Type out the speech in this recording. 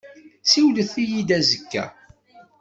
Siwlet-iyi-d azekka.